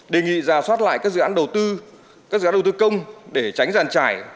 đề nghị rà soát lại các dự án đầu tư các dự án đầu tư công để tránh giàn trải